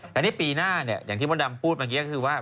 แต่นี่ปีหน้าเนี่ยอย่างที่มดดำพูดเมื่อกี้ก็คือว่า